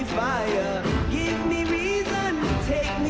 ท่านแรกครับจันทรุ่ม